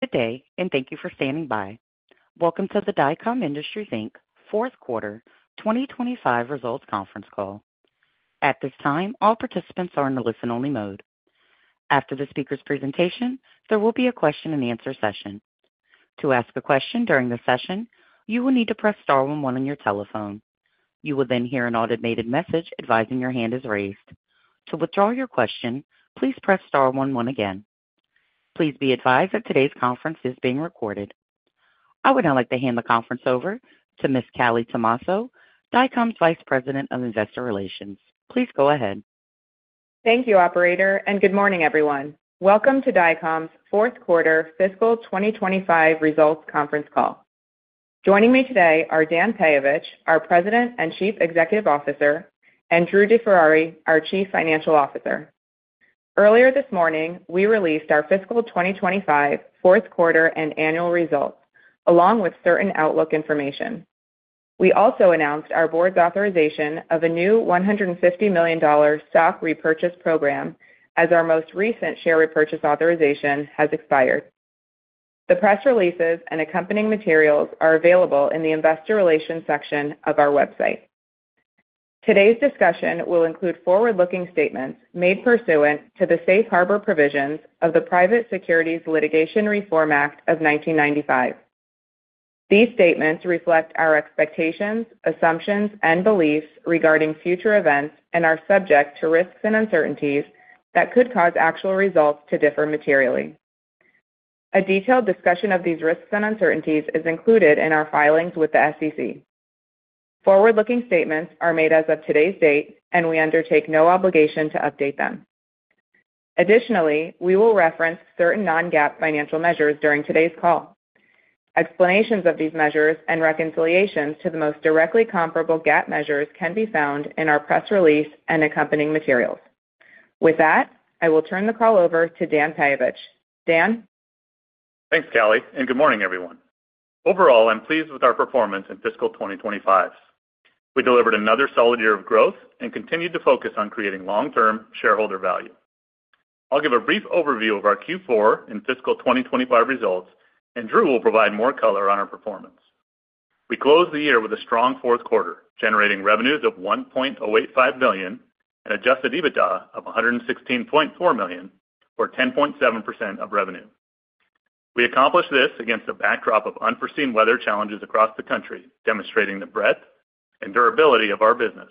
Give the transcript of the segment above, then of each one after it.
Good day, and thank you for standing by. Welcome to the Dycom Industries Inc fourth quarter 2025 results conference call. At this time, all participants are in the listen-only mode. After the speaker's presentation, there will be a question-and-answer session. To ask a question during the session, you will need to press star 11 on your telephone. You will then hear an automated message advising your hand is raised. To withdraw your question, please press star 11 again. Please be advised that today's conference is being recorded. I would now like to hand the conference over to Ms. Callie Tomasso, Dycom's Vice President of Investor Relations. Please go ahead. Thank you, Operator, and good morning, everyone. Welcome to Dycom's Fourth Quarter Fiscal 2025 Results Conference Call. Joining me today are Dan Peyovich, our President and Chief Executive Officer, and Drew DeFerrari, our Chief Financial Officer. Earlier this morning, we released our Fiscal 2025 Fourth Quarter and Annual Results, along with certain outlook information. We also announced our board's authorization of a new $150 million stock repurchase program as our most recent share repurchase authorization has expired. The press releases and accompanying materials are available in the Investor Relations section of our website. Today's discussion will include forward-looking statements made pursuant to the safe harbor provisions of the Private Securities Litigation Reform Act of 1995. These statements reflect our expectations, assumptions, and beliefs regarding future events and are subject to risks and uncertainties that could cause actual results to differ materially. A detailed discussion of these risks and uncertainties is included in our filings with the SEC. Forward-looking statements are made as of today's date, and we undertake no obligation to update them. Additionally, we will reference certain non-GAAP financial measures during today's call. Explanations of these measures and reconciliations to the most directly comparable GAAP measures can be found in our press release and accompanying materials. With that, I will turn the call over to Dan Peyovich. Dan. Thanks, Callie, and good morning, everyone. Overall, I'm pleased with our performance in Fiscal 2025. We delivered another solid year of growth and continued to focus on creating long-term shareholder value. I'll give a brief overview of our Q4 and Fiscal 2025 results, and Drew will provide more color on our performance. We closed the year with a strong fourth quarter, generating revenues of $1.085 billion and adjusted EBITDA of $116.4 million, or 10.7% of revenue. We accomplished this against a backdrop of unforeseen weather challenges across the country, demonstrating the breadth and durability of our business.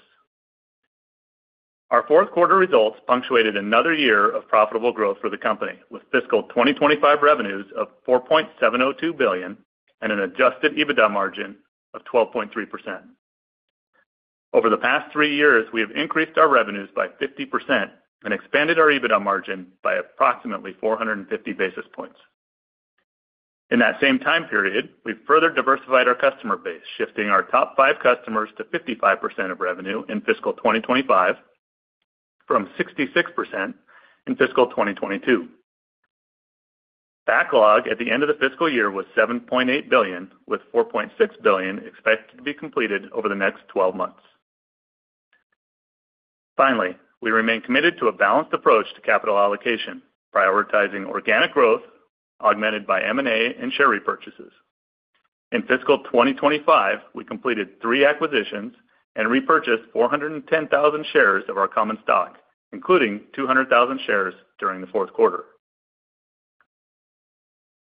Our fourth quarter results punctuated another year of profitable growth for the company, with Fiscal 2025 revenues of $4.702 billion and an adjusted EBITDA margin of 12.3%. Over the past three years, we have increased our revenues by 50% and expanded our EBITDA margin by approximately 450 basis points. In that same time period, we've further diversified our customer base, shifting our top five customers to 55% of revenue in Fiscal 2025 from 66% in Fiscal 2022. Backlog at the end of the fiscal year was $7.8 billion, with $4.6 billion expected to be completed over the next 12 months. Finally, we remain committed to a balanced approach to capital allocation, prioritizing organic growth augmented by M&A and share repurchases. In Fiscal 2025, we completed three acquisitions and repurchased 410,000 shares of our common stock, including 200,000 shares during the fourth quarter.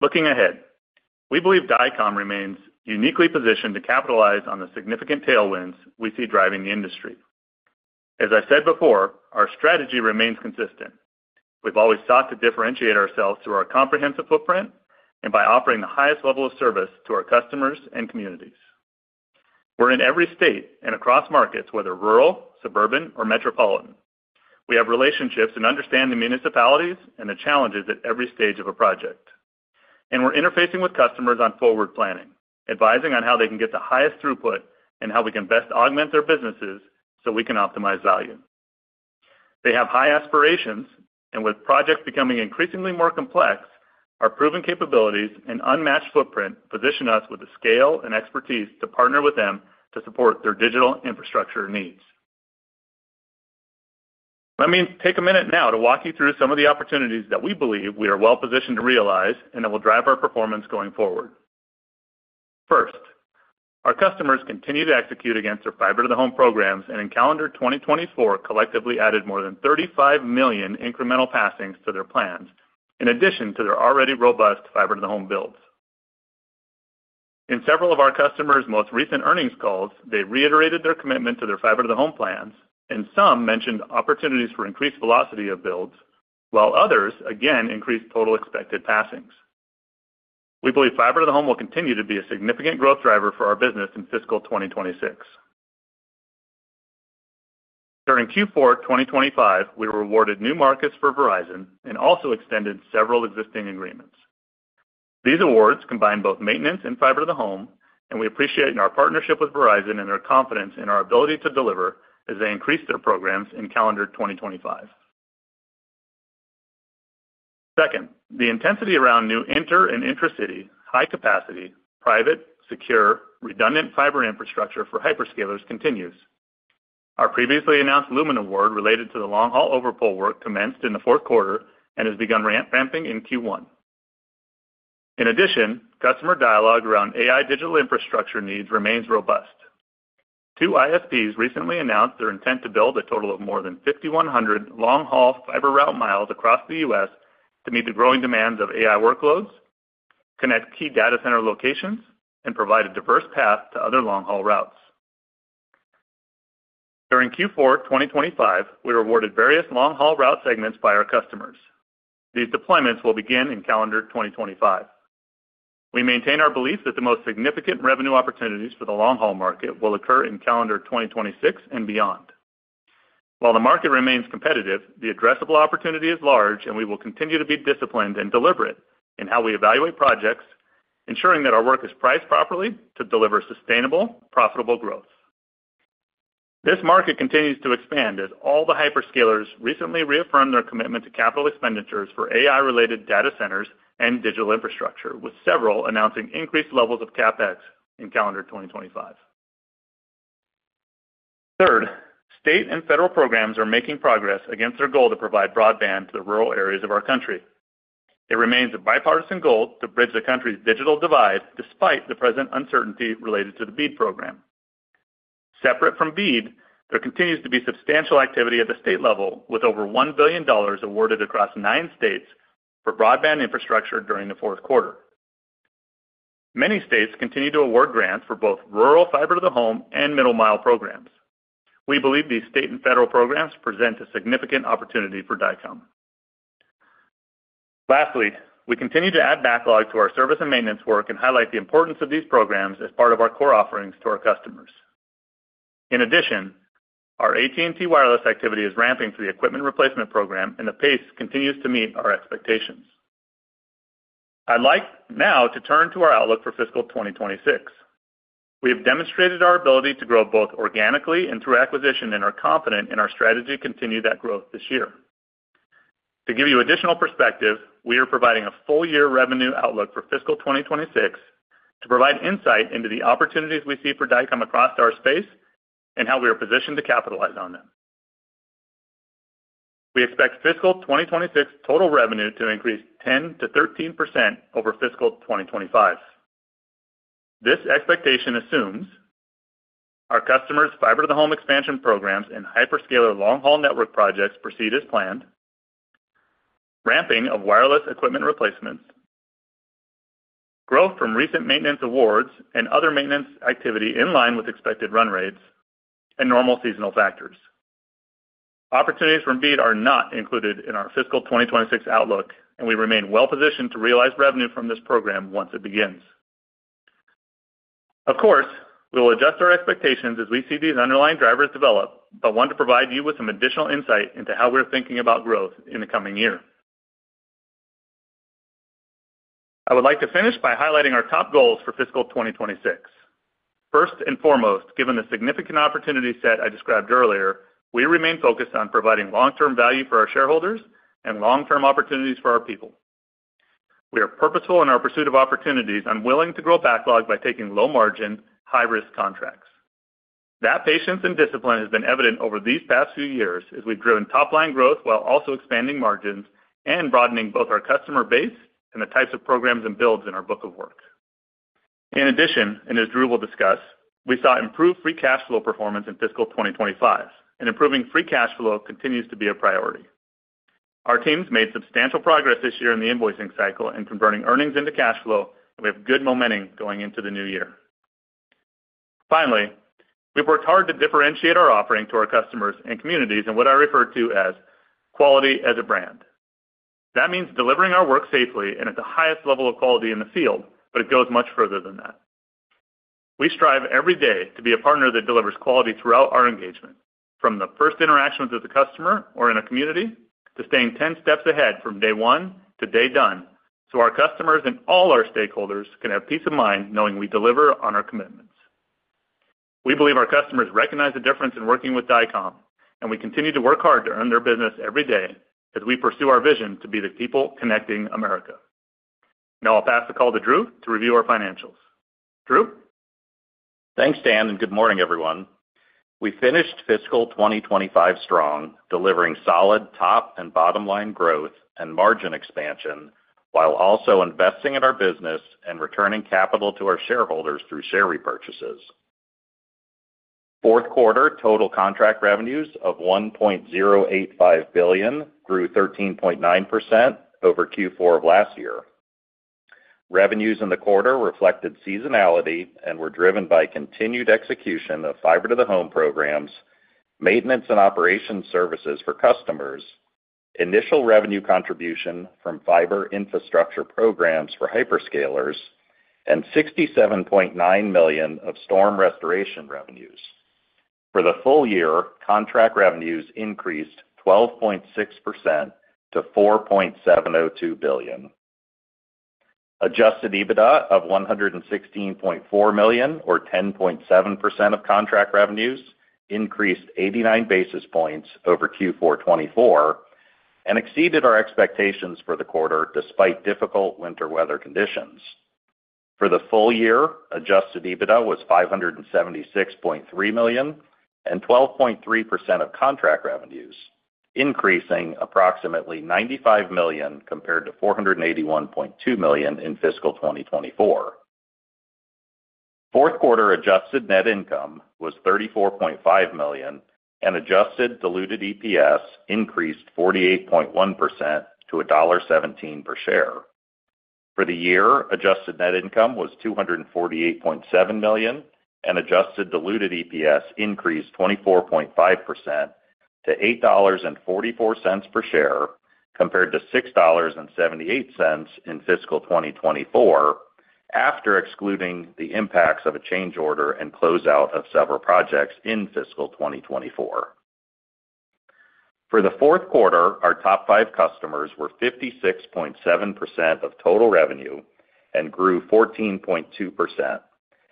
Looking ahead, we believe Dycom remains uniquely positioned to capitalize on the significant tailwinds we see driving the industry. As I've said before, our strategy remains consistent. We've always sought to differentiate ourselves through our comprehensive footprint and by offering the highest level of service to our customers and communities. We're in every state and across markets, whether rural, suburban, or metropolitan. We have relationships and understand the municipalities and the challenges at every stage of a project, and we're interfacing with customers on forward planning, advising on how they can get the highest throughput and how we can best augment their businesses so we can optimize value. They have high aspirations, and with projects becoming increasingly more complex, our proven capabilities and unmatched footprint position us with the scale and expertise to partner with them to support their digital infrastructure needs. Let me take a minute now to walk you through some of the opportunities that we believe we are well positioned to realize and that will drive our performance going forward. First, our customers continue to execute against their fiber-to-the-home programs, and in calendar 2024, collectively added more than 35 million incremental passings to their plans, in addition to their already robust fiber-to-the-home builds. In several of our customers' most recent earnings calls, they reiterated their commitment to their fiber-to-the-home plans, and some mentioned opportunities for increased velocity of builds, while others again increased total expected passings. We believe fiber-to-the-home will continue to be a significant growth driver for our business in Fiscal 2026. During Q4 2025, we were awarded new markets for Verizon and also extended several existing agreements. These awards combine both maintenance and fiber-to-the-home, and we appreciate our partnership with Verizon and their confidence in our ability to deliver as they increase their programs in calendar 2025. Second, the intensity around new inter- and intra-city, high-capacity, private, secure, redundant fiber infrastructure for hyperscalers continues. Our previously announced Lumen Award related to the long-haul overpull work commenced in the fourth quarter and has begun ramping in Q1. In addition, customer dialogue around AI digital infrastructure needs remains robust. Two ISPs recently announced their intent to build a total of more than 5,100 long-haul fiber route miles across the U.S. to meet the growing demands of AI workloads, connect key data center locations, and provide a diverse path to other long-haul routes. During Q4 2025, we were awarded various long-haul route segments by our customers. These deployments will begin in calendar 2025. We maintain our belief that the most significant revenue opportunities for the long-haul market will occur in calendar 2026 and beyond. While the market remains competitive, the addressable opportunity is large, and we will continue to be disciplined and deliberate in how we evaluate projects, ensuring that our work is priced properly to deliver sustainable, profitable growth. This market continues to expand as all the hyperscalers recently reaffirmed their commitment to capital expenditures for AI-related data centers and digital infrastructure, with several announcing increased levels of CapEx in calendar 2025. Third, state and federal programs are making progress against their goal to provide broadband to the rural areas of our country. It remains a bipartisan goal to bridge the country's digital divide despite the present uncertainty related to the BEAD program. Separate from BEAD, there continues to be substantial activity at the state level, with over $1 billion awarded across nine states for broadband infrastructure during the fourth quarter. Many states continue to award grants for both rural fiber-to-the-home and middle-mile programs. We believe these state and federal programs present a significant opportunity for Dycom. Lastly, we continue to add backlog to our service and maintenance work and highlight the importance of these programs as part of our core offerings to our customers. In addition, our AT&T wireless activity is ramping through the equipment replacement program, and the pace continues to meet our expectations. I'd like now to turn to our outlook for Fiscal 2026. We have demonstrated our ability to grow both organically and through acquisition, and are confident in our strategy to continue that growth this year. To give you additional perspective, we are providing a full-year revenue outlook for Fiscal 2026 to provide insight into the opportunities we see for Dycom across our space and how we are positioned to capitalize on them. We expect Fiscal 2026 total revenue to increase 10%-13% over Fiscal 2025. This expectation assumes our customers' fiber-to-the-home expansion programs and hyperscaler long-haul network projects proceed as planned, ramping of wireless equipment replacements, growth from recent maintenance awards and other maintenance activity in line with expected run rates, and normal seasonal factors. Opportunities from BEAD are not included in our Fiscal 2026 outlook, and we remain well positioned to realize revenue from this program once it begins. Of course, we will adjust our expectations as we see these underlying drivers develop, but want to provide you with some additional insight into how we're thinking about growth in the coming year. I would like to finish by highlighting our top goals for fiscal 2026. First and foremost, given the significant opportunity set I described earlier, we remain focused on providing long-term value for our shareholders and long-term opportunities for our people. We are purposeful in our pursuit of opportunities and willing to grow backlog by taking low-margin, high-risk contracts. That patience and discipline has been evident over these past few years as we've driven top-line growth while also expanding margins and broadening both our customer base and the types of programs and builds in our book of work. In addition, and as Drew will discuss, we saw improved free cash flow performance in Fiscal 2025, and improving free cash flow continues to be a priority. Our teams made substantial progress this year in the invoicing cycle and converting earnings into cash flow, and we have good momentum going into the new year. Finally, we've worked hard to differentiate our offering to our customers and communities in what I refer to as quality as a brand. That means delivering our work safely and at the highest level of quality in the field, but it goes much further than that. We strive every day to be a partner that delivers quality throughout our engagement, from the first interaction with the customer or in a community to staying 10 steps ahead from day one to day done, so our customers and all our stakeholders can have peace of mind knowing we deliver on our commitments. We believe our customers recognize the difference in working with Dycom, and we continue to work hard to earn their business every day as we pursue our vision to be the people connecting America. Now I'll pass the call to Drew to review our financials. Drew? Thanks, Dan, and good morning, everyone. We finished Fiscal 2025 strong, delivering solid top and bottom-line growth and margin expansion while also investing in our business and returning capital to our shareholders through share repurchases. Fourth quarter total contract revenues of $1.085 billion grew 13.9% over Q4 of last year. Revenues in the quarter reflected seasonality and were driven by continued execution of fiber-to-the-home programs, maintenance and operation services for customers, initial revenue contribution from fiber infrastructure programs for hyperscalers, and $67.9 million of storm restoration revenues. For the full year, contract revenues increased 12.6% to $4.702 billion. Adjusted EBITDA of $116.4 million, or 10.7% of contract revenues, increased 89 basis points over Q4 2024 and exceeded our expectations for the quarter despite difficult winter weather conditions. For the full year, Adjusted EBITDA was $576.3 million and 12.3% of contract revenues, increasing approximately $95 million compared to $481.2 million in Fiscal 2024. Fourth quarter Adjusted net income was $34.5 million, and Adjusted Diluted EPS increased 48.1% to $1.17 per share. For the year, Adjusted net income was $248.7 million, and Adjusted Diluted EPS increased 24.5% to $8.44 per share compared to $6.78 in Fiscal 2024 after excluding the impacts of a change order and closeout of several projects in Fiscal 2024. For the fourth quarter, our top five customers were 56.7% of total revenue and grew 14.2%,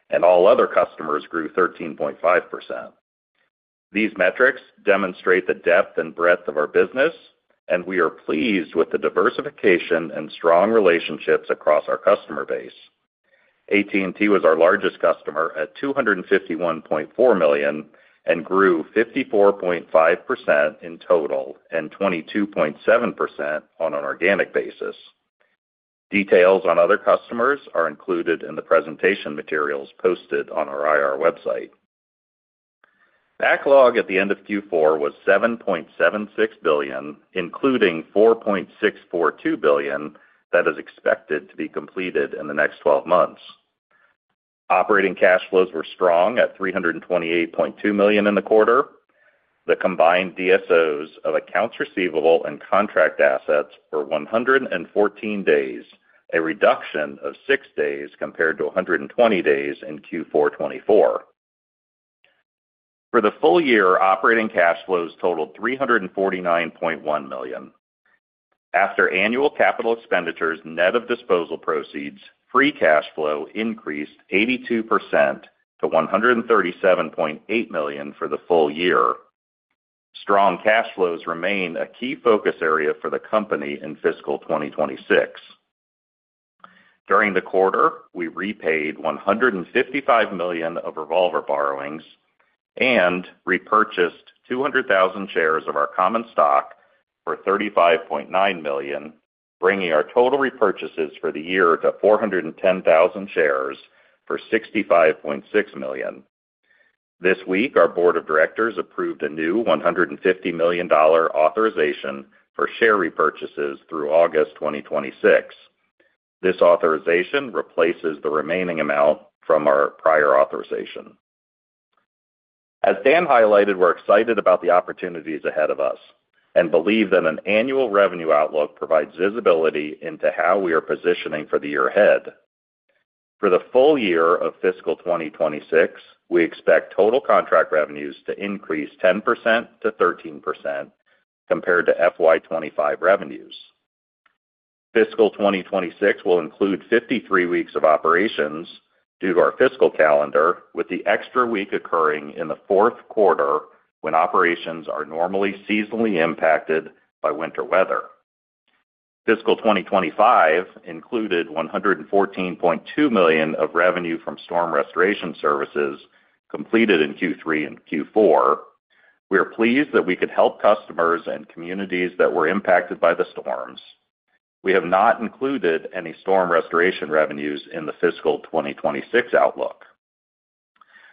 and all other customers grew 13.5%. These metrics demonstrate the depth and breadth of our business, and we are pleased with the diversification and strong relationships across our customer base. AT&T was our largest customer at $251.4 million and grew 54.5% in total and 22.7% on an organic basis. Details on other customers are included in the presentation materials posted on our IR website. Backlog at the end of Q4 was $7.76 billion, including $4.642 billion that is expected to be completed in the next 12 months. Operating cash flows were strong at $328.2 million in the quarter. The combined DSOs of accounts receivable and contract assets were 114 days, a reduction of 6 days compared to 120 days in Q4 2024. For the full year, operating cash flows totaled $349.1 million. After annual capital expenditures net of disposal proceeds, free cash flow increased 82% to $137.8 million for the full year. Strong cash flows remain a key focus area for the company in Fiscal 2026. During the quarter, we repaid $155 million of revolver borrowings and repurchased 200,000 shares of our common stock for $35.9 million, bringing our total repurchases for the year to 410,000 shares for $65.6 million. This week, our board of directors approved a new $150 million authorization for share repurchases through August 2026. This authorization replaces the remaining amount from our prior authorization. As Dan highlighted, we're excited about the opportunities ahead of us and believe that an annual revenue outlook provides visibility into how we are positioning for the year ahead. For the full year of Fiscal 2026, we expect total contract revenues to increase 10%-13% compared to FY25 revenues. Fiscal 2026 will include 53 weeks of operations due to our fiscal calendar, with the extra week occurring in the fourth quarter when operations are normally seasonally impacted by winter weather. Fiscal 2025 included $114.2 million of revenue from storm restoration services completed in Q3 and Q4. We are pleased that we could help customers and communities that were impacted by the storms. We have not included any storm restoration revenues in the Fiscal 2026 outlook.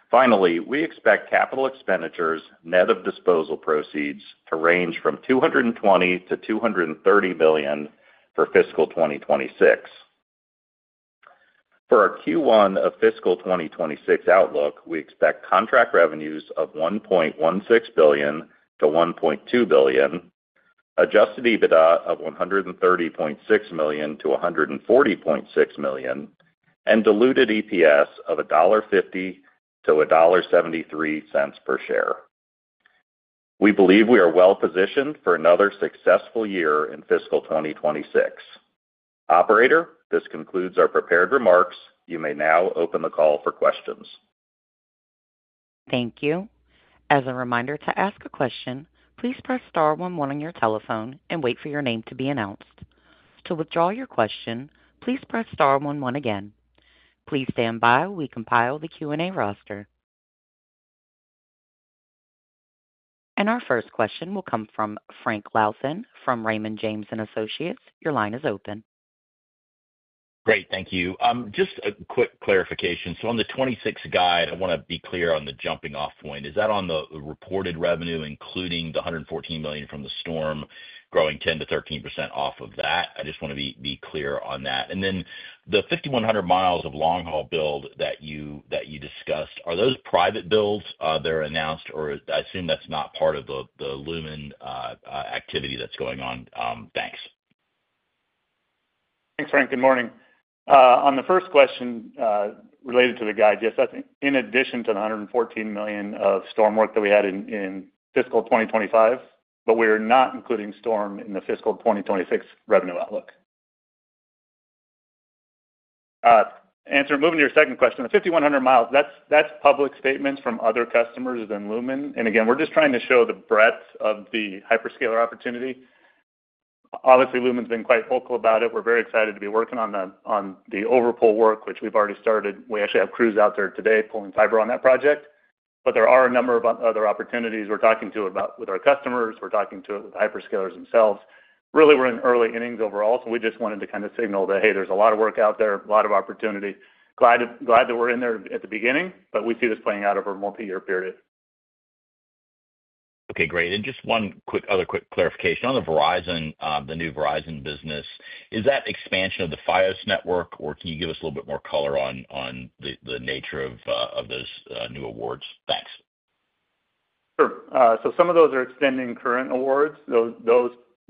Finally, we expect capital expenditures net of disposal proceeds to range from $220 million-$230 million for Fiscal 2026. For our Q1 of Fiscal 2026 outlook, we expect contract revenues of $1.16 billion-$1.2 billion, Adjusted EBITDA of $130.6 million-$140.6 million, and Diluted EPS of $1.50-$1.73 per share. We believe we are well positioned for another successful year in Fiscal 2026. Operator, this concludes our prepared remarks. You may now open the call for questions. Thank you. As a reminder to ask a question, please press star one one on your telephone and wait for your name to be announced. To withdraw your question, please press star one one again. Please stand by while we compile the Q&A roster, and our first question will come from Frank Louthan from Raymond James & Associates. Your line is open. Great. Thank you. Just a quick clarification. So on the 26th guide, I want to be clear on the jumping-off point. Is that on the reported revenue, including the $114 million from the storm, growing 10%-13% off of that? I just want to be clear on that. And then the 5,100 miles of long-haul build that you discussed, are those private builds that are announced, or I assume that's not part of the Lumen activity that's going on? Thanks. Thanks, Frank. Good morning. On the first question related to the guide, yes, that's in addition to the $114 million of storm work that we had in Fiscal 2025, but we are not including storm in the Fiscal 2026 revenue outlook. And, moving to your second question, the 5,100 miles, that's public statements from other customers than Lumen. And again, we're just trying to show the breadth of the hyperscaler opportunity. Obviously, Lumen's been quite vocal about it. We're very excited to be working on the overpull work, which we've already started. We actually have crews out there today pulling fiber on that project. But there are a number of other opportunities. We're talking about it with our customers. We're talking about it with the hyperscalers themselves. Really, we're in early innings overall, so we just wanted to kind of signal that, hey, there's a lot of work out there, a lot of opportunity. Glad that we're in there at the beginning, but we see this playing out over a multi-year period. Okay. Great. And just one other quick clarification. On the Verizon, the new Verizon business, is that expansion of the Fios network, or can you give us a little bit more color on the nature of those new awards? Thanks. Sure. So some of those are extending current awards. Those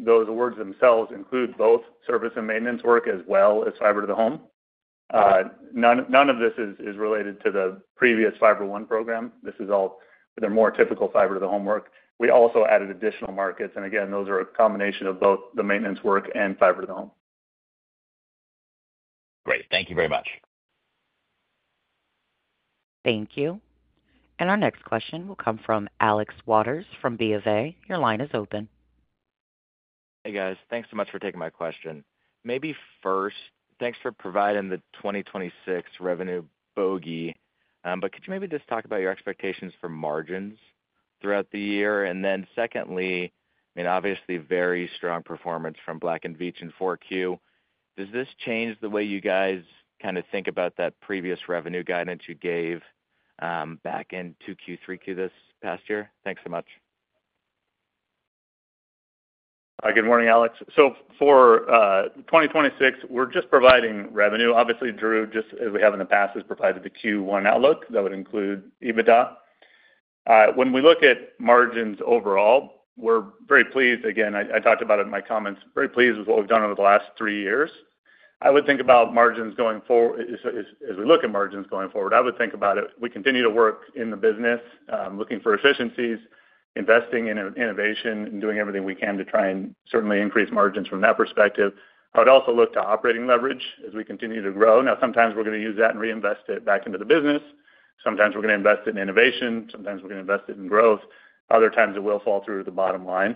awards themselves include both service and maintenance work as well as fiber to the home. None of this is related to the previous FiberOne program. This is all the more typical fiber to the home work. We also added additional markets. And again, those are a combination of both the maintenance work and fiber to the home. Great. Thank you very much. Thank you. And our next question will come from Alex Waters from BofA. Your line is open. Hey, guys. Thanks so much for taking my question. Maybe first, thanks for providing the 2026 revenue bogey, but could you maybe just talk about your expectations for margins throughout the year? And then secondly, I mean, obviously, very strong performance from Black & Veatch and 4Q. Does this change the way you guys kind of think about that previous revenue guidance you gave back into Q3 this past year? Thanks so much. Good morning, Alex. So for 2026, we're just providing revenue. Obviously, Drew, just as we have in the past, has provided the Q1 outlook that would include EBITDA. When we look at margins overall, we're very pleased. Again, I talked about it in my comments. Very pleased with what we've done over the last three years. I would think about margins going forward. As we look at margins going forward, I would think about it. We continue to work in the business, looking for efficiencies, investing in innovation, and doing everything we can to try and certainly increase margins from that perspective. I would also look to operating leverage as we continue to grow. Now, sometimes we're going to use that and reinvest it back into the business. Sometimes we're going to invest it in innovation. Sometimes we're going to invest it in growth. Other times, it will fall through the bottom line.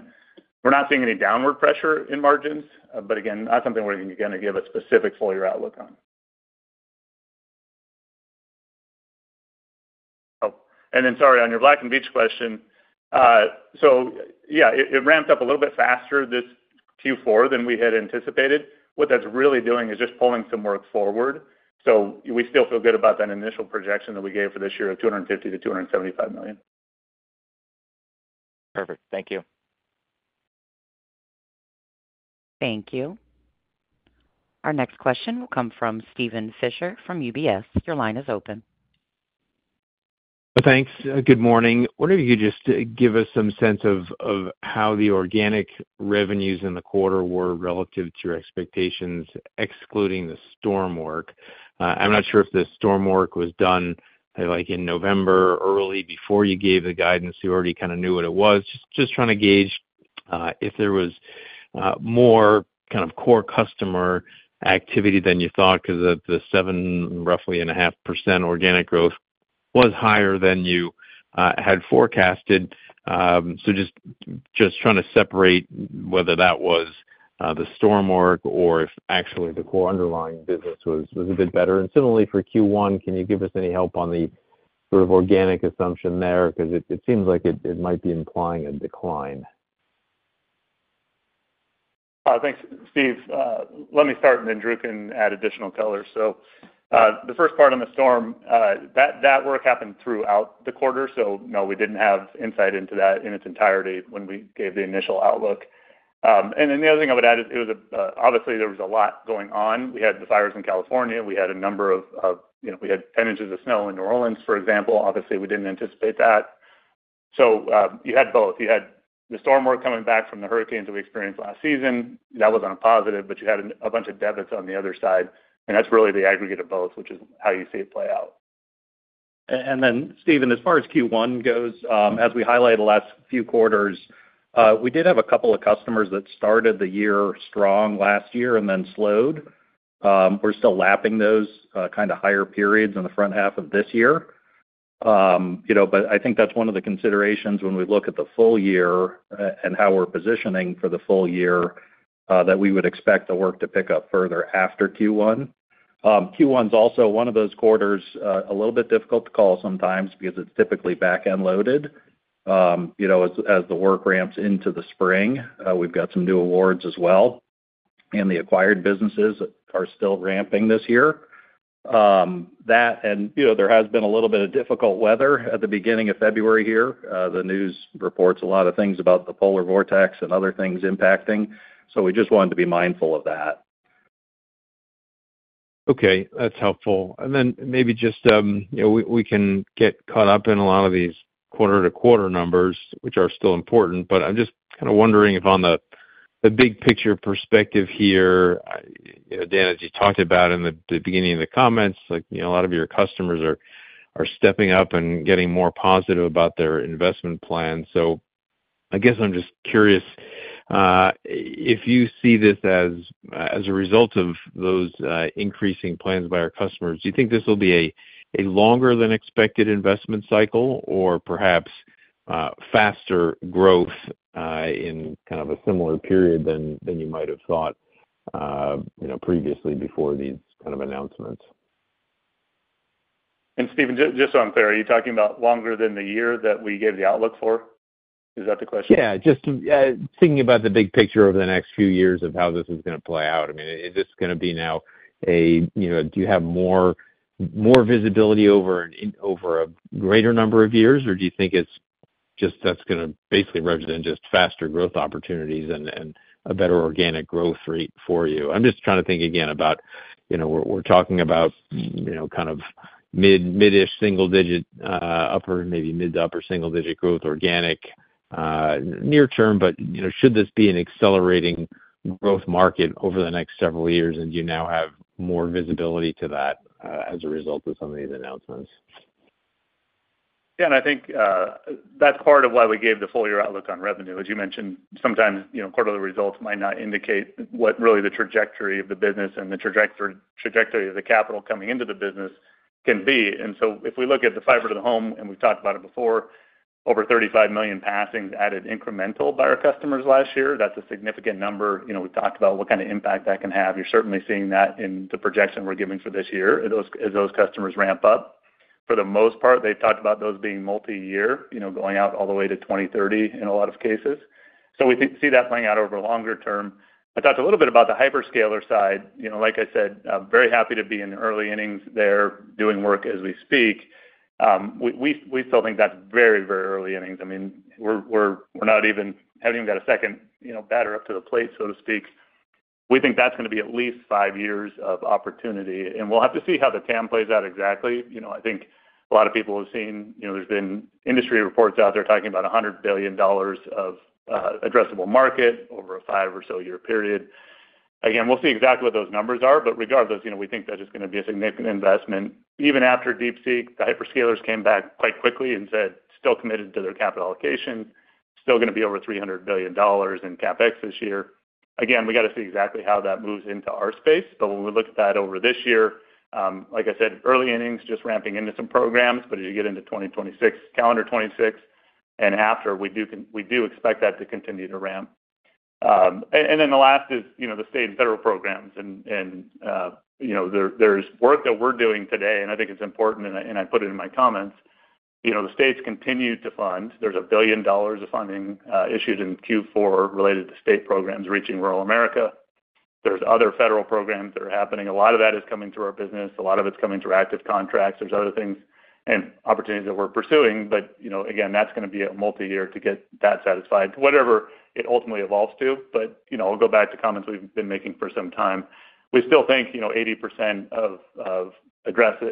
We're not seeing any downward pressure in margins, but again, not something we're going to give a specific full-year outlook on. Oh, and then sorry on your Black & Veatch question. So yeah, it ramped up a little bit faster this Q4 than we had anticipated. What that's really doing is just pulling some work forward. So we still feel good about that initial projection that we gave for this year of $250 million-$275 million. Perfect. Thank you. Thank you. Our next question will come from Steven Fisher from UBS. Your line is open. Thanks. Good morning. Why don't you just give us some sense of how the organic revenues in the quarter were relative to your expectations, excluding the storm work? I'm not sure if the storm work was done in November, early, before you gave the guidance. You already kind of knew what it was. Just trying to gauge if there was more kind of core customer activity than you thought because the 7.5% organic growth was higher than you had forecasted. Just trying to separate whether that was the storm work or if actually the core underlying business was a bit better. Similarly, for Q1, can you give us any help on the sort of organic assumption there? Because it seems like it might be implying a decline. Thanks, Steve. Let me start, and then Drew can add additional colors. So the first part on the storm, that work happened throughout the quarter. So no, we didn't have insight into that in its entirety when we gave the initial outlook. And then the other thing I would add is obviously there was a lot going on. We had the fires in California. We had 10 inches of snow in New Orleans, for example. Obviously, we didn't anticipate that. So you had both. You had the storm work coming back from the hurricanes we experienced last season. That wasn't a positive, but you had a bunch of debits on the other side. And that's really the aggregate of both, which is how you see it play out. And then, Steven, as far as Q1 goes, as we highlighted the last few quarters, we did have a couple of customers that started the year strong last year and then slowed. We're still lapping those kind of higher periods in the front half of this year. But I think that's one of the considerations when we look at the full year and how we're positioning for the full year that we would expect the work to pick up further after Q1. Q1 is also one of those quarters a little bit difficult to call sometimes because it's typically back-end loaded as the work ramps into the spring. We've got some new awards as well. And the acquired businesses are still ramping this year. And there has been a little bit of difficult weather at the beginning of February here. The news reports a lot of things about the Polar Vortex and other things impacting. So we just wanted to be mindful of that. Okay. That's helpful. And then maybe just we can get caught up in a lot of these quarter-to-quarter numbers, which are still important. But I'm just kind of wondering if on the big-picture perspective here, Dan, as you talked about in the beginning of the comments, a lot of your customers are stepping up and getting more positive about their investment plans. So I guess I'm just curious, if you see this as a result of those increasing plans by our customers, do you think this will be a longer-than-expected investment cycle or perhaps faster growth in kind of a similar period than you might have thought previously before these kind of announcements? Steven, just so I'm clear, are you talking about longer than the year that we gave the outlook for? Is that the question? Yeah. Just thinking about the big picture over the next few years of how this is going to play out. I mean, is this going to be now or do you have more visibility over a greater number of years, or do you think it's just that's going to basically represent just faster growth opportunities and a better organic growth rate for you? I'm just trying to think again about we're talking about kind of mid-ish single-digit upper, maybe mid to upper single-digit growth organic near-term, but should this be an accelerating growth market over the next several years, and do you now have more visibility to that as a result of some of these announcements? Yeah. And I think that's part of why we gave the full-year outlook on revenue. As you mentioned, sometimes quarterly results might not indicate what really the trajectory of the business and the trajectory of the capital coming into the business can be. And so if we look at the fiber to the home, and we've talked about it before, over 35 million passings added incremental by our customers last year. That's a significant number. We talked about what kind of impact that can have. You're certainly seeing that in the projection we're giving for this year as those customers ramp up. For the most part, they've talked about those being multi-year, going out all the way to 2030 in a lot of cases. So we see that playing out over a longer term. I talked a little bit about the hyperscaler side. Like I said, very happy to be in the early innings there doing work as we speak. We still think that's very, very early innings. I mean, we're not even got a second batter up to the plate, so to speak. We think that's going to be at least five years of opportunity. And we'll have to see how the TAM plays out exactly. I think a lot of people have seen there's been industry reports out there talking about $100 billion of addressable market over a five or so-year period. Again, we'll see exactly what those numbers are. But regardless, we think that's just going to be a significant investment. Even after DeepSeek, the hyperscalers came back quite quickly and said, "Still committed to their capital allocation. Still going to be over $300 billion in CapEx this year. Again, we got to see exactly how that moves into our space. But when we look at that over this year, like I said, early innings just ramping into some programs. But as you get into 2026, calendar 2026, and after, we do expect that to continue to ramp. And then the last is the state and federal programs. And there's work that we're doing today, and I think it's important, and I put it in my comments. The states continue to fund. There's $1 billion of funding issued in Q4 related to state programs reaching rural America. There's other federal programs that are happening. A lot of that is coming through our business. A lot of it's coming through active contracts. There's other things and opportunities that we're pursuing. But again, that's going to be a multi-year to get that satisfied, whatever it ultimately evolves to. But I'll go back to comments we've been making for some time. We still think 80% of addresses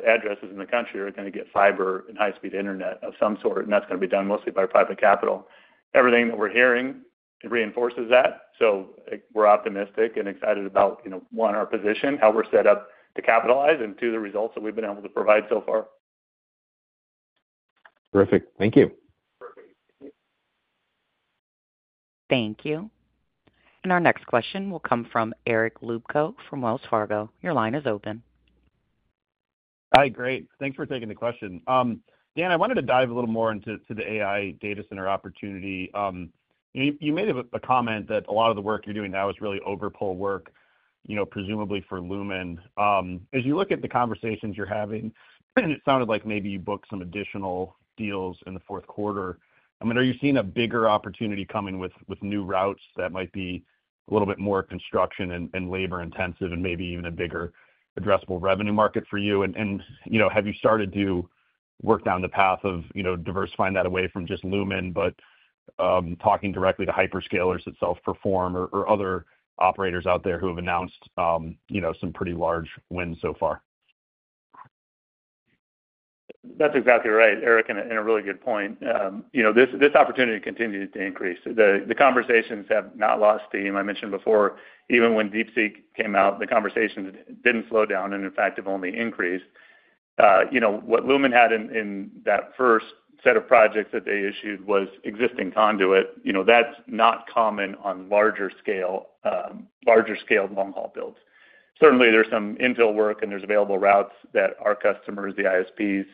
in the country are going to get fiber and high-speed internet of some sort, and that's going to be done mostly by private capital. Everything that we're hearing reinforces that. So we're optimistic and excited about, one, our position, how we're set up to capitalize, and two, the results that we've been able to provide so far. Terrific. Thank you. Thank you. And our next question will come from Eric Luebchow from Wells Fargo. Your line is open. Hi. Great. Thanks for taking the question. Dan, I wanted to dive a little more into the AI data center opportunity. You made a comment that a lot of the work you're doing now is really overpull work, presumably for Lumen. As you look at the conversations you're having, and it sounded like maybe you booked some additional deals in the fourth quarter. I mean, are you seeing a bigger opportunity coming with new routes that might be a little bit more construction and labor-intensive and maybe even a bigger addressable revenue market for you? And have you started to work down the path of diversifying that away from just Lumen, but talking directly to hyperscalers that self-perform or other operators out there who have announced some pretty large wins so far? That's exactly right, Eric, and a really good point. This opportunity continues to increase. The conversations have not lost steam. I mentioned before, even when DeepSeek came out, the conversations didn't slow down and, in fact, have only increased. What Lumen had in that first set of projects that they issued was existing conduit. That's not common on larger-scale long-haul builds. Certainly, there's some infill work, and there's available routes that our customers, the ISPs,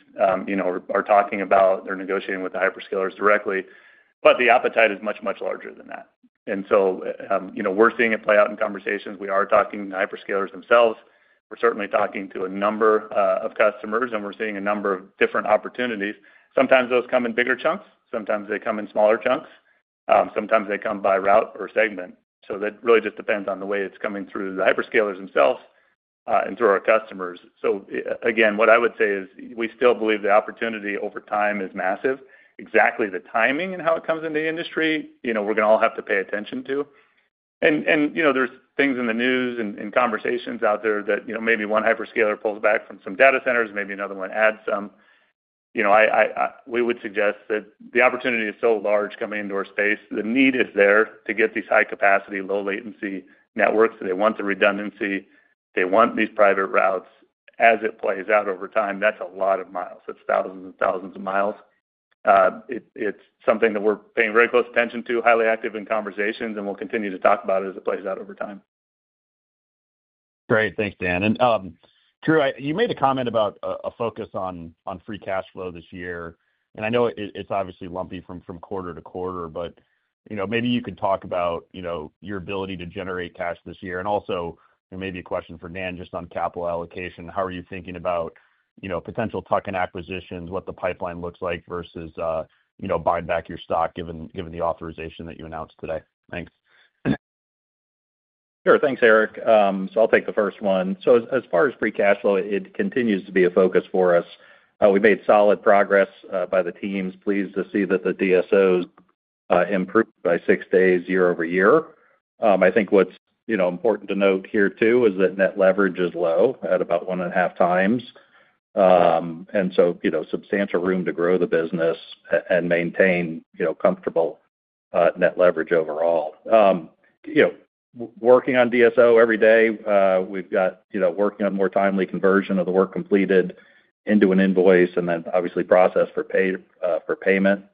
are talking about. They're negotiating with the hyperscalers directly, but the appetite is much, much larger than that, and so we're seeing it play out in conversations. We are talking to hyperscalers themselves. We're certainly talking to a number of customers, and we're seeing a number of different opportunities. Sometimes those come in bigger chunks. Sometimes they come in smaller chunks. Sometimes they come by route or segment. So that really just depends on the way it's coming through the hyperscalers themselves and through our customers. So again, what I would say is we still believe the opportunity over time is massive. Exactly the timing and how it comes into the industry, we're going to all have to pay attention to. And there's things in the news and conversations out there that maybe one hyperscaler pulls back from some data centers. Maybe another one adds some. We would suggest that the opportunity is so large coming into our space. The need is there to get these high-capacity, low-latency networks. They want the redundancy. They want these private routes. As it plays out over time, that's a lot of miles. That's thousands and thousands of miles. It's something that we're paying very close attention to, highly active in conversations, and we'll continue to talk about it as it plays out over time. Great. Thanks, Dan. And Drew, you made a comment about a focus on free cash flow this year. And I know it's obviously lumpy from quarter to quarter, but maybe you could talk about your ability to generate cash this year. And also maybe a question for Dan just on capital allocation. How are you thinking about potential tuck-in acquisitions, what the pipeline looks like versus buying back your stock given the authorization that you announced today? Thanks. Sure. Thanks, Eric. So I'll take the first one. So as far as free cash flow, it continues to be a focus for us. We've made solid progress by the teams. Pleased to see that the DSOs improved by six days year over year. I think what's important to note here too is that net leverage is low at about one and a half times. And so substantial room to grow the business and maintain comfortable net leverage overall. Working on DSO every day, we've got working on more timely conversion of the work completed into an invoice and then obviously process for payment.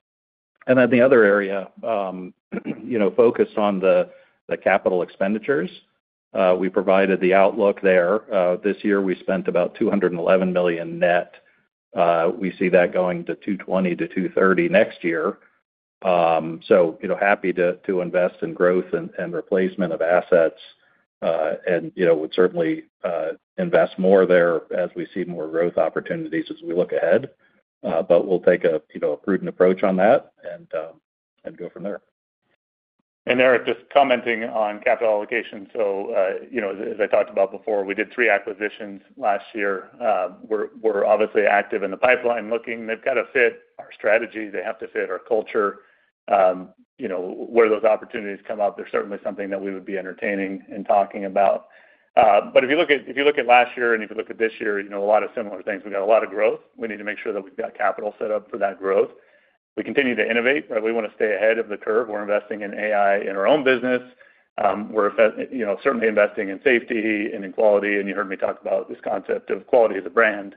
And then the other area, focused on the capital expenditures. We provided the outlook there. This year, we spent about $211 million net. We see that going to $220 million-$230 million next year. so happy to invest in growth and replacement of assets and would certainly invest more there as we see more growth opportunities as we look ahead. But we'll take a prudent approach on that and go from there. And Eric, just commenting on capital allocation. So as I talked about before, we did three acquisitions last year. We're obviously active in the pipeline looking. They've got to fit our strategy. They have to fit our culture. Where those opportunities come up, they're certainly something that we would be entertaining and talking about. But if you look at last year and if you look at this year, a lot of similar things. We've got a lot of growth. We need to make sure that we've got capital set up for that growth. We continue to innovate. We want to stay ahead of the curve. We're investing in AI in our own business. We're certainly investing in safety and in quality. And you heard me talk about this concept of quality as a brand.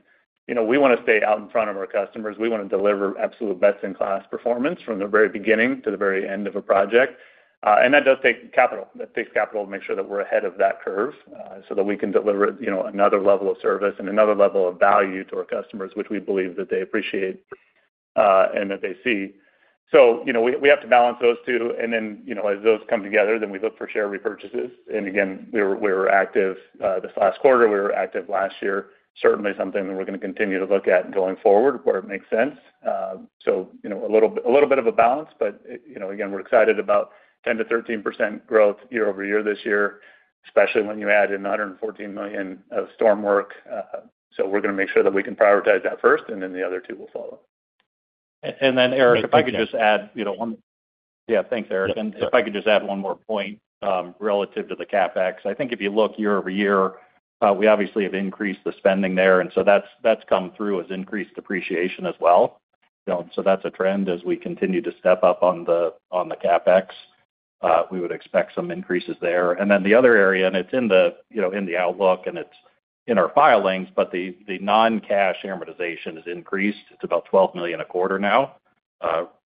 We want to stay out in front of our customers. We want to deliver absolute best-in-class performance from the very beginning to the very end of a project. And that does take capital. That takes capital to make sure that we're ahead of that curve so that we can deliver another level of service and another level of value to our customers, which we believe that they appreciate and that they see. So we have to balance those two. And then as those come together, then we look for share repurchases. And again, we were active this last quarter. We were active last year. Certainly something that we're going to continue to look at going forward where it makes sense. So a little bit of a balance. But again, we're excited about 10%-13% growth year over year this year, especially when you add in $114 million of storm work. So we're going to make sure that we can prioritize that first, and then the other two will follow. And then, Eric, if I could just add one more point relative to the CapEx. I think if you look year over year, we obviously have increased the spending there. And so that's come through as increased depreciation as well. So that's a trend as we continue to step up on the CapEx. We would expect some increases there. And then the other area, and it's in the outlook, and it's in our filings, but the non-cash amortization has increased. It's about $12 million a quarter now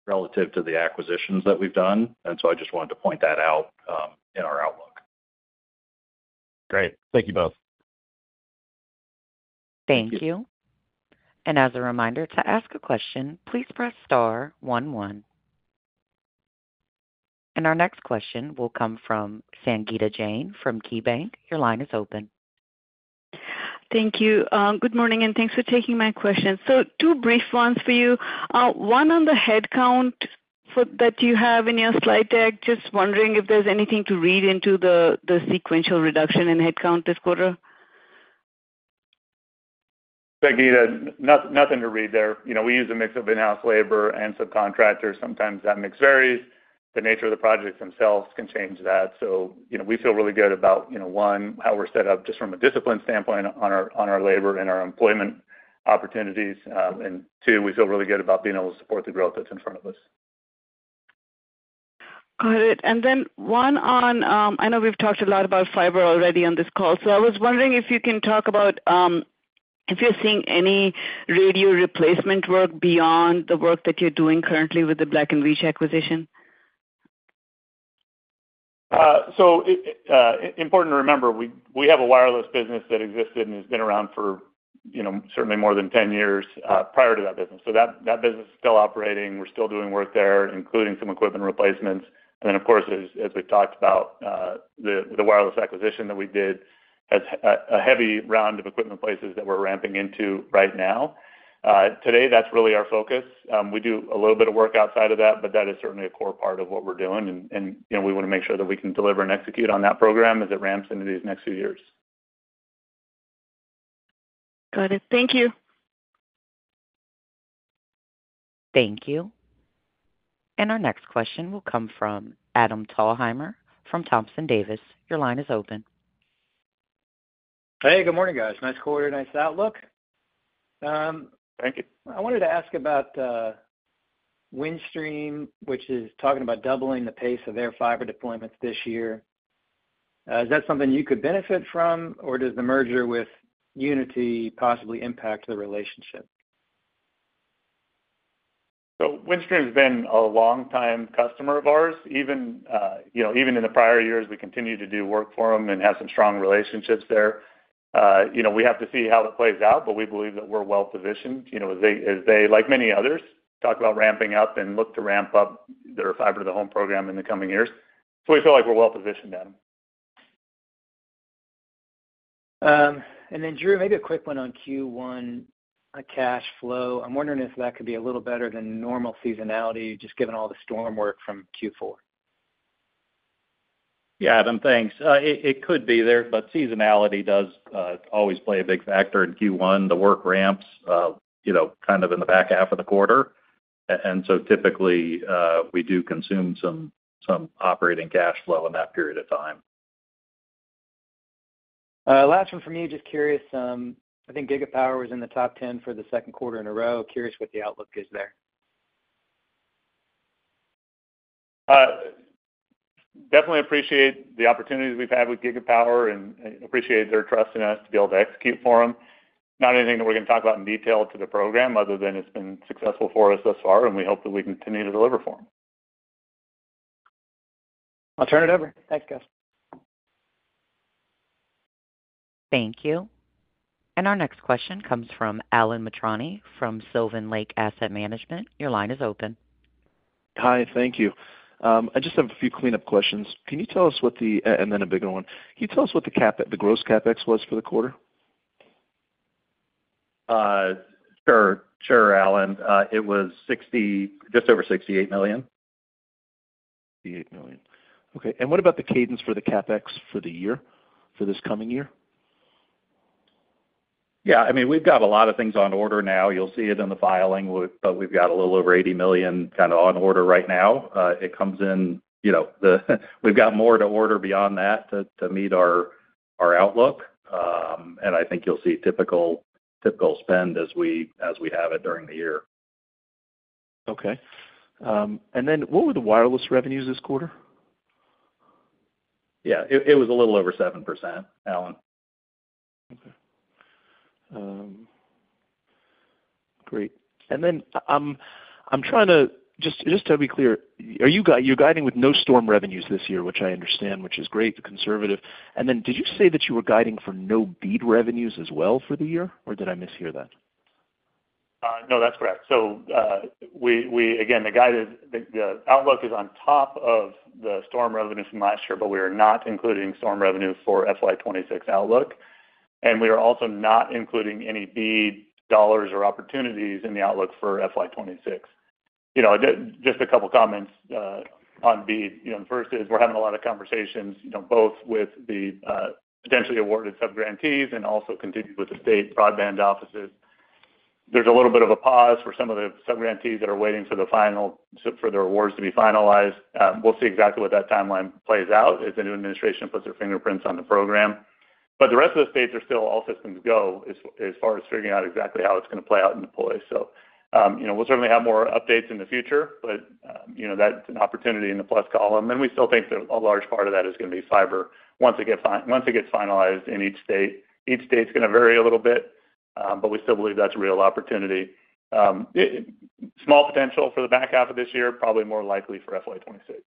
relative to the acquisitions that we've done. And so I just wanted to point that out in our outlook. Great. Thank you both. Thank you. And as a reminder to ask a question, please press star one one. And our next question will come from Sangita Jain from KeyBanc. Your line is open. Thank you. Good morning, and thanks for taking my question. So two brief ones for you. One on the headcount that you have in your slide deck. Just wondering if there's anything to read into the sequential reduction in headcount this quarter. Sangita, nothing to read there. We use a mix of in-house labor and subcontractors. Sometimes that mix varies. The nature of the projects themselves can change that. So we feel really good about, one, how we're set up just from a discipline standpoint on our labor and our employment opportunities. And two, we feel really good about being able to support the growth that's in front of us. Got it. And then one on I know we've talked a lot about fiber already on this call. So I was wondering if you can talk about if you're seeing any radio replacement work beyond the work that you're doing currently with the Black & Veatch acquisition. so important to remember, we have a wireless business that existed and has been around for certainly more than 10 years prior to that business. That business is still operating. We're still doing work there, including some equipment replacements. And then, of course, as we've talked about, the wireless acquisition that we did has a heavy round of equipment placements that we're ramping into right now. Today, that's really our focus. We do a little bit of work outside of that, but that is certainly a core part of what we're doing. And we want to make sure that we can deliver and execute on that program as it ramps into these next few years. Got it. Thank you. Thank you. Our next question will come from Adam Thalhimer from Thompson Davis. Your line is open. Hey, good morning, guys. Nice quarter, nice outlook. Thank you. I wanted to ask about Windstream, which is talking about doubling the pace of their fiber deployments this year. Is that something you could benefit from, or does the merger with Uniti possibly impact the relationship? So Windstream has been a long-time customer of ours. Even in the prior years, we continued to do work for them and have some strong relationships there. We have to see how it plays out, but we believe that we're well-positioned. As they, like many others, talk about ramping up and look to ramp up their fiber-to-the-home program in the coming years. So we feel like we're well-positioned, Adam. And then, Drew, maybe a quick one on Q1 cash flow. I'm wondering if that could be a little better than normal seasonality, just given all the storm work from Q4. Yeah, Adam, thanks. It could be there, but seasonality does always play a big factor in Q1. The work ramps kind of in the back half of the quarter, and so typically, we do consume some operating cash flow in that period of time. Last one from you. Just curious. I think Gigapower was in the top 10 for the second quarter in a row. Curious what the outlook is there? Definitely appreciate the opportunities we've had with Gigapower and appreciate their trust in us to be able to execute for them. Not anything that we're going to talk about in detail to the program other than it's been successful for us thus far, and we hope that we continue to deliver for them. I'll turn it over. Thanks, guys. Thank you, and our next question comes from Alan Mitrani from Sylvan Lake Asset Management. Your line is open. Hi, thank you. I just have a few cleanup questions. Can you tell us what the, and then a bigger one, can you tell us what the gross CapEx was for the quarter? Sure. Sure, Alan. It was just over $68 million. $68 million. Okay. And what about the cadence for the CapEx for the year, for this coming year? Yeah. I mean, we've got a lot of things on order now. You'll see it in the filing, but we've got a little over $80 million kind of on order right now. It comes in. We've got more to order beyond that to meet our outlook. And I think you'll see typical spend as we have it during the year. Okay, and then what were the wireless revenues this quarter? Yeah. It was a little over 7%, Alan. Okay. Great. And then I'm trying to—just to be clear, you're guiding with no storm revenues this year, which I understand, which is great, conservative. And then did you say that you were guiding for no BEAD revenues as well for the year, or did I mishear that? No, that's correct. So again, the outlook is on top of the storm revenues from last year, but we are not including storm revenue for FY 2026 outlook. And we are also not including any BEAD dollars or opportunities in the outlook for FY 2026. Just a couple of comments on BEAD. The first is we're having a lot of conversations both with the potentially awarded subgrantees and also continue with the state broadband offices. There's a little bit of a pause for some of the subgrantees that are waiting for their awards to be finalized. We'll see exactly what that timeline plays out as the new administration puts their fingerprints on the program. But the rest of the states are still all systems go as far as figuring out exactly how it's going to play out and deploy. So we'll certainly have more updates in the future, but that's an opportunity in the plus column. And we still think a large part of that is going to be fiber once it gets finalized in each state. Each state's going to vary a little bit, but we still believe that's a real opportunity. Small potential for the back half of this year, probably more likely for FY 2026.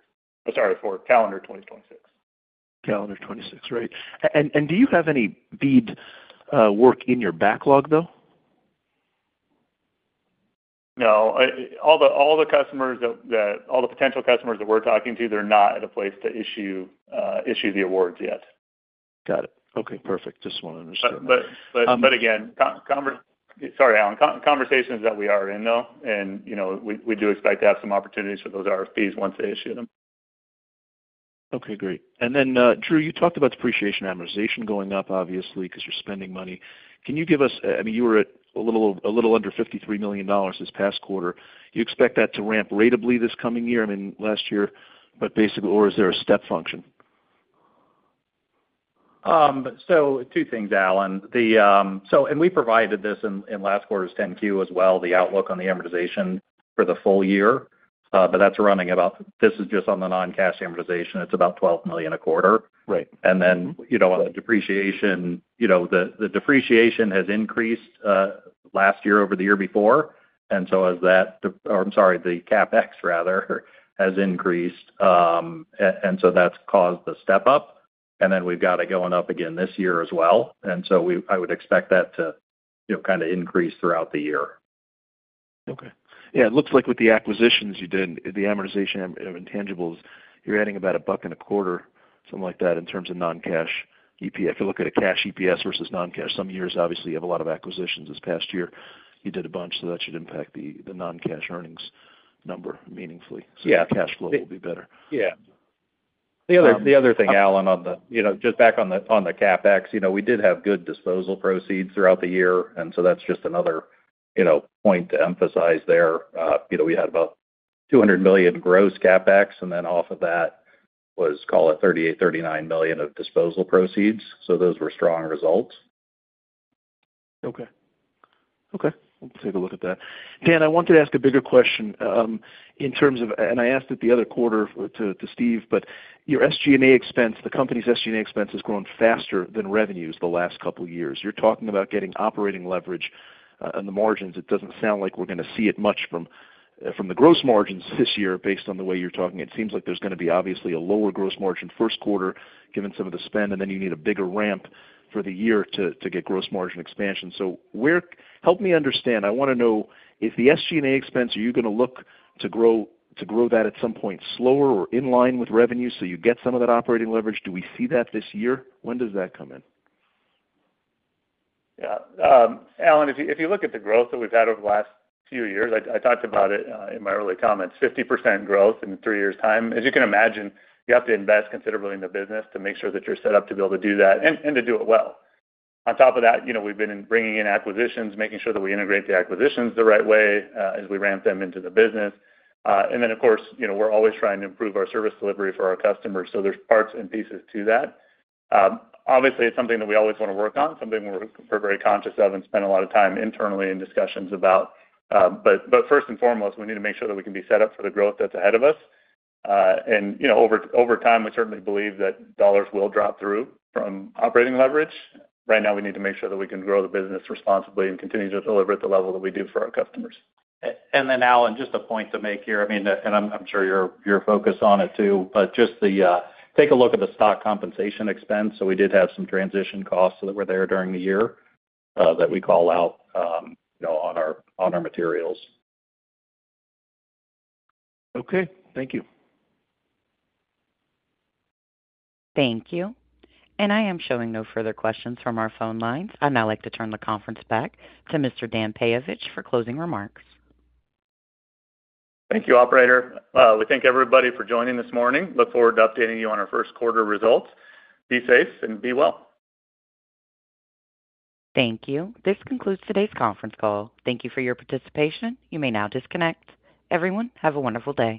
I'm sorry, for calendar 2026. Calendar 26, right. And do you have any BEAD work in your backlog, though? No. All the potential customers that we're talking to, they're not at a place to issue the awards yet. Got it. Okay. Perfect. Just want to understand. But, again, sorry, Alan. Conversations that we are in, though. And we do expect to have some opportunities for those RFPs once they issue them. Okay. Great. And then, Drew, you talked about depreciation amortization going up, obviously, because you're spending money. Can you give us, I mean, you were at a little under $53 million this past quarter. Do you expect that to ramp ratably this coming year? I mean, last year, but basically, or is there a step function? Two things, Alan. We provided this in last quarter's 10-Q as well, the outlook on the amortization for the full year. But that's running about—this is just on the non-cash amortization. It's about $12 million a quarter. And then on the depreciation, the depreciation has increased last year over the year before. And so as that—or I'm sorry, the CapEx, rather, has increased. And so that's caused the step up. And then we've got it going up again this year as well. And so I would expect that to kind of increase throughout the year. Okay. Yeah. It looks like with the acquisitions you did, the amortization of intangibles, you're adding about $1.25, something like that, in terms of non-cash EPS. If you look at a cash EPS versus non-cash, some years obviously have a lot of acquisitions. This past year, you did a bunch, so that should impact the non-cash earnings number meaningfully. So your cash flow will be better. Yeah. The other thing, Alan, on the, just back on the CapEx, we did have good disposal proceeds throughout the year. And so that's just another point to emphasize there. We had about $200 million gross CapEx, and then off of that was, call it, $38-$39 million of disposal proceeds. So those were strong results. Okay. Okay. We'll take a look at that. Dan, I wanted to ask a bigger question in terms of, and I asked it the other quarter to Steve, but your SG&A expense, the company's SG&A expense has grown faster than revenues the last couple of years. You're talking about getting operating leverage and the margins. It doesn't sound like we're going to see it much from the gross margins this year based on the way you're talking. It seems like there's going to be obviously a lower gross margin first quarter given some of the spend, and then you need a bigger ramp for the year to get gross margin expansion. So help me understand. I want to know if the SG&A expense, are you going to look to grow that at some point slower or in line with revenues so you get some of that operating leverage? Do we see that this year? When does that come in? Yeah. Alan, if you look at the growth that we've had over the last few years, I talked about it in my early comments, 50% growth in three years' time. As you can imagine, you have to invest considerably in the business to make sure that you're set up to be able to do that and to do it well. On top of that, we've been bringing in acquisitions, making sure that we integrate the acquisitions the right way as we ramp them into the business. And then, of course, we're always trying to improve our service delivery for our customers. So there's parts and pieces to that. Obviously, it's something that we always want to work on, something we're very conscious of and spend a lot of time internally in discussions about. But first and foremost, we need to make sure that we can be set up for the growth that's ahead of us. And over time, we certainly believe that dollars will drop through from operating leverage. Right now, we need to make sure that we can grow the business responsibly and continue to deliver at the level that we do for our customers. And then, Alan, just a point to make here, I mean, and I'm sure you're focused on it too, but just take a look at the stock compensation expense. So we did have some transition costs that were there during the year that we call out on our materials. Okay. Thank you. Thank you. And I am showing no further questions from our phone lines. I'd now like to turn the conference back to Mr. Dan Peyovich for closing remarks. Thank you, operator. We thank everybody for joining this morning. Look forward to updating you on our first quarter results. Be safe and be well. Thank you. This concludes today's conference call. Thank you for your participation. You may now disconnect. Everyone, have a wonderful day.